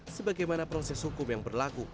sebagaimana proses hukum yang berlaku